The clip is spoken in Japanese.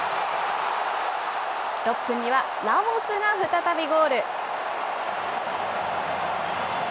６分にはラモスが再びゴール。